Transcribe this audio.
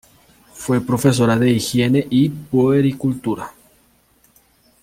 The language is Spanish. Fue profesora de higiene y puericultura.